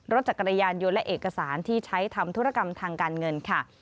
รถจักรยานยนต์และเอกสารที่ใช้ทำธุรกรรมทางการเงินค่ะ